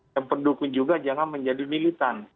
yang pendukung juga jangan menjadi militan